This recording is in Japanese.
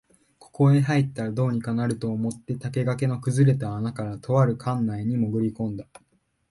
ここへ入ったら、どうにかなると思って竹垣の崩れた穴から、とある邸内にもぐり込んだ